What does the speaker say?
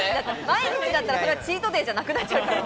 毎日だったらチートデイじゃなくなっちゃうから。